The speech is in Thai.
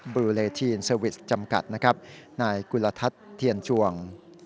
ลูเลทีนเซอร์วิสจำกัดนะครับนายกุลทัศน์เทียนชวง